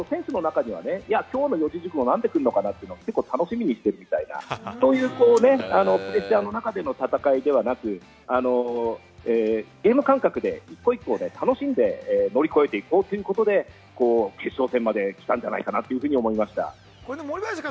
選手の中には、きょうの四字熟語、何て来るのかなって楽しみにしてたりとか、そういうプレッシャーの中での戦いではなく、ゲーム感覚で一歩一歩の乗り越えていこうということで、決勝戦まで来たんじゃないかなと思いました。